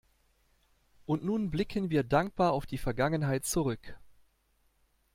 Und nun blicken wir dankbar auf die Vergangenheit zurück.